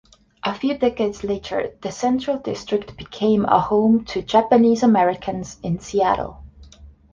A few decades later, the Central District became a home to Japanese-Americans in Seattle.